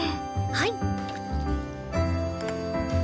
はい。